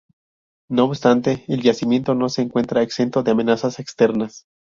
No obstante, el yacimiento no se encuentra exento de amenazas externas.